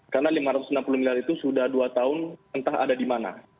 karena rp lima ratus enam puluh miliar itu sudah dua tahun entah ada di mana